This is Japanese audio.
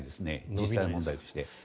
実際問題として。